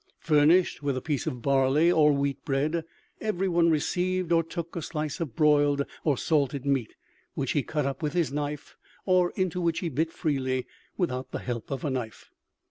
Furnished with a piece of barley or wheat bread, everyone received or took a slice of broiled or salted meat, which he cut up with his knife, or into which he bit freely without the help of knife.